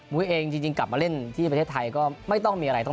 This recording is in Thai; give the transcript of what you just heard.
เองจริงกลับมาเล่นที่ประเทศไทยก็ไม่ต้องมีอะไรต้อง